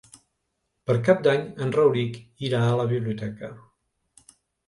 Per Cap d'Any en Rauric irà a la biblioteca.